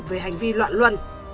về hành vi loạn luân